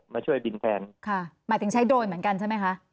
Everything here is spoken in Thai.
มาช่วยบินแทนค่ะหมายถึงใช้โดรนเหมือนกันใช่ไหมคะ